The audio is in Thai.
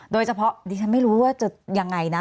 โดยเฉพาะดิฉันไม่รู้ว่าจะยังไงนะ